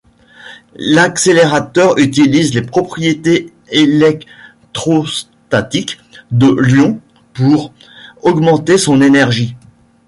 L'accélérateur utilise les propriétés électrostatiques de l'ion pour augmenter son énergie.